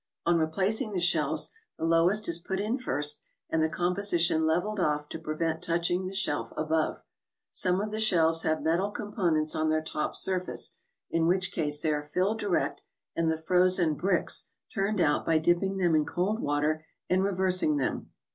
On replacing the shelves, the lowest is put in first and the composition leveled off to prevent touching the shelf above. Some of the shelves have metal compartments on their top surface, in which case they are filled direct, and the frozen " bricks " turned out by dip¬ ping them in cold water and reversing them.